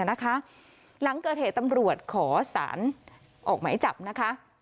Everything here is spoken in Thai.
อ่ะนะคะหลังเกิดเหตุตำรวจขอสารออกไหมจับนะคะ